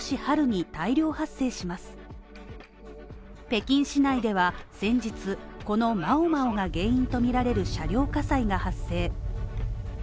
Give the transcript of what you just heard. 北京市内では先日、この毛毛が原因とみられる車両火災が発生。